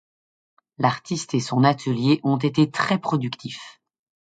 L'artiste et son atelier ont été très productifs.